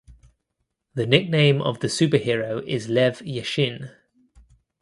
The nickname of the superhero is Lev Yashin.